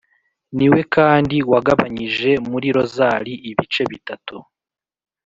niwe kandi wagabanyije muri rozali ibice bitatu